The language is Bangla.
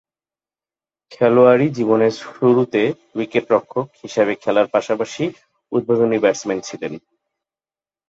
খেলোয়াড়ী জীবনের শুরুতে উইকেট-রক্ষক হিসেবে খেলার পাশাপাশি উদ্বোধনী ব্যাটসম্যান ছিলেন।